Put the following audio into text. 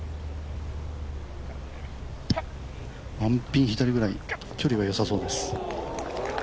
１ピン左ぐらい、距離はよさそうです。